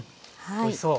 おいしそう。